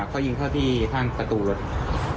เขายิงเข้าที่ทางประตูรถ